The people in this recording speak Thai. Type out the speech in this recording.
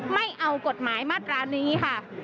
ไม่เอากฎหมายมาตรานี้ค่ะ